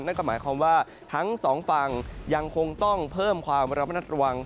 นั่นก็หมายความว่าทั้งสองฝั่งยังคงต้องเพิ่มความระมัดระวัง